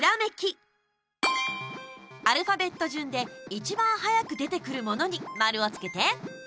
アルファベット順で一番早く出てくるものに丸をつけて。